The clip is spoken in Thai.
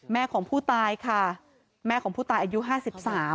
แม่ของผู้ตายค่ะแม่ของผู้ตายอายุห้าสิบสาม